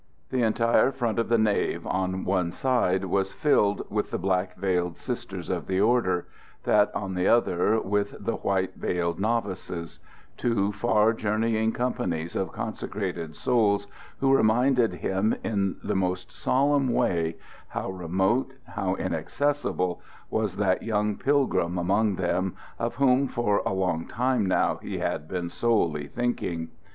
The entire front of the nave on one side was filled with the black veiled Sisters of the order; that on the other with the white veiled novices two far journeying companies of consecrated souls who reminded him in the most solemn way how remote, how inaccessible, was that young pilgrim among them of whom for a long time now he had been solely thinking.